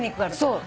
そう。